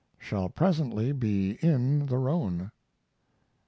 Shall presently be in the Rhone.